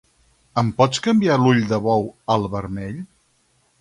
Em pots canviar l'ull de bou al vermell?